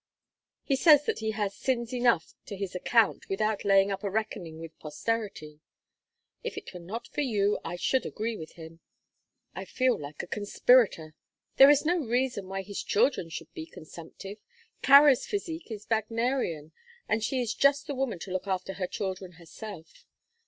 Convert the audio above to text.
He says that he has sins enough to his account without laying up a reckoning with posterity. If it were not for you I should agree with him. I feel like a conspirator " "There is no reason why his children should be consumptive. Carry's physique is Wagnerian, and she is just the woman to look after her children herself.